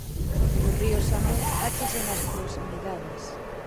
O río Samel áchase nas proximidades.